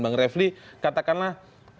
bang refli katakanlah